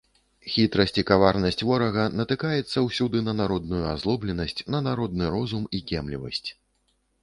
Хітрасць і каварнасць ворага натыкаецца ўсюды на народную азлобленасць, на народны розум і кемлівасць.